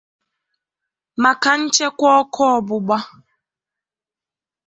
maka nchekwa ọkụ ọgbụgba